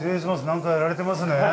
何かやられてますね。